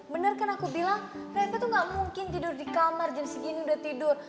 bener kan aku bilang mereka tuh gak mungkin tidur di kamar jam segini udah tidur